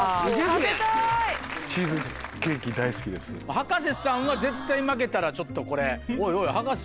葉加瀬さんは絶対負けたらちょっとこれ。